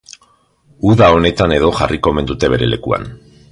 Uda honetan edo jarriko omen dute bere lekuan.